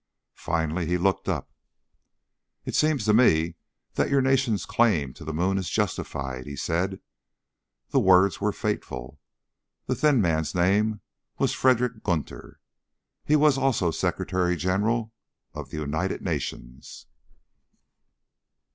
Finally he looked up. "It seems to me that your Nation's claim to the Moon is justified," he said. The words were fateful. The thin man's name was Fredrick Gunter. He was also Secretary General of the United Nations.